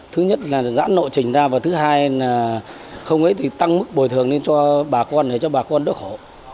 thứ nhất là giãn lộ trình ra và thứ hai là không ấy thì tăng mức bồi thường cho bà con cho bà con đỡ khổ